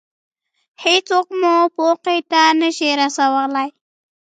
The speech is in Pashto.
هېڅوک مو موخې ته نشي رسولی.